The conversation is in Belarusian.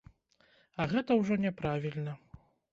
А гэта ўжо няправільна.